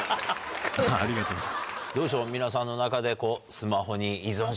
どうでしょう皆さんの中で。